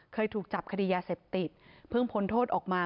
เคยถูกจับคดียาเสพติดเพิ่งพ้นโทษออกมา